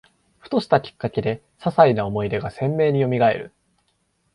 ふとしたきっかけで、ささいな思い出が鮮明によみがえる